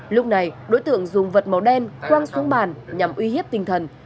lúc này đối tượng dùng vật màu đen quăng xuống bàn nhằm uy hiếp tinh thần